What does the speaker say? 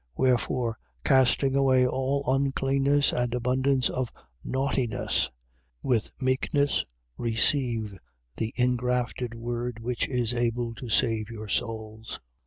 1:21. Wherefore, casting away all uncleanness and abundance of naughtiness, with meekness receive the ingrafted word, which is able to save your souls.